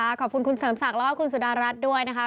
ขอบคุณคุณเสริมศักดิ์แล้วก็คุณสุดารัฐด้วยนะคะ